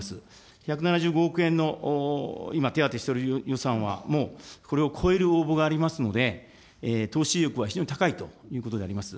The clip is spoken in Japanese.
１７５億円の今、手当てしている予算は、もうこれを超える応募がありますので、投資意欲は非常に高いということであります。